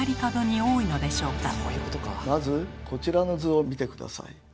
まずこちらの図を見て下さい。